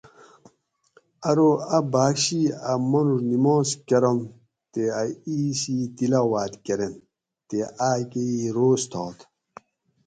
ارو ا باگ شی ا مانوڛ نماز کرنت تے ا اِیس ای تلاواۤت کرینت تے آۤکہ ای روز تھات